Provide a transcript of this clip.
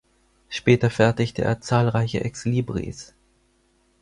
Später fertigte er zahlreiche Exlibris.